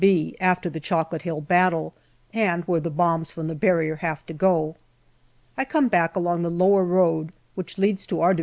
OCTOBER 245 after the Chocolate Hill battle, and where the bombs from the Barrier have to go. I come back along the lower road which leads to our D.H.